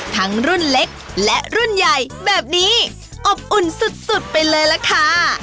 ทั้งรุ่นเล็กและรุ่นใหญ่แบบนี้อบอุ่นสุดไปเลยล่ะค่ะ